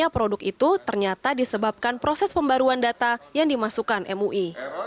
produk itu ternyata disebabkan proses pembaruan data yang dimasukkan mui